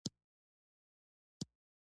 زراعت د افغانانو د تفریح یوه وسیله ده.